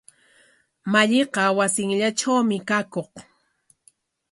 Malliqa wasinllatrawmi kakuq.